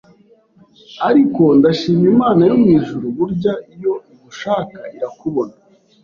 ariko ndashima Imana yo mu ijuru burya iyo igushaka irakubona